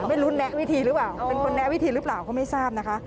ไม่รู้แนะวิธีหรือเปล่าเป็นคนแนะวิธีหรือเปล่าก็ไม่ทราบนะคะ